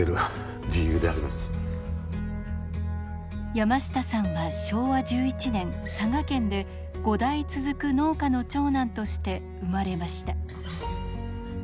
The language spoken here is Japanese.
山下さんは昭和１１年佐賀県で５代続く農家の長男として生まれました。